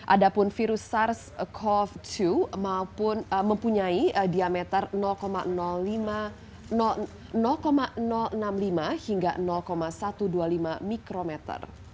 ada pun virus sars cov dua maupun mempunyai diameter enam puluh lima hingga satu ratus dua puluh lima mikrometer